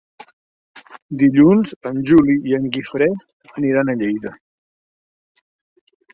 Dilluns en Juli i en Guifré aniran a Lleida.